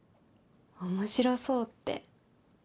面白そうって。